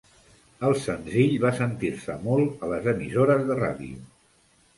El senzill va sentir-se molt a les emissores de ràdio.